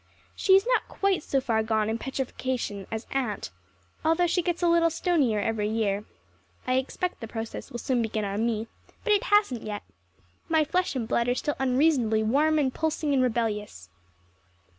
She is not quite so far gone in petrifaction as Aunt, although she gets a little stonier every year. I expect the process will soon begin on me, but it hasn't yet. My flesh and blood are still unreasonably warm and pulsing and rebellious.